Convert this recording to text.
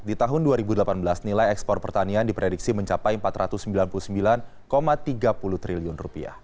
di tahun dua ribu delapan belas nilai ekspor pertanian diprediksi mencapai rp empat ratus sembilan puluh sembilan tiga puluh triliun